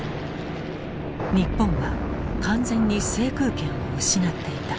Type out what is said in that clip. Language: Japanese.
日本は完全に制空権を失っていた。